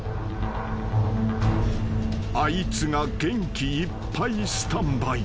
［あいつが元気いっぱいスタンバイ］